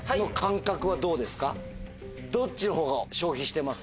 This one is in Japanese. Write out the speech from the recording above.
どっちの方が消費してます？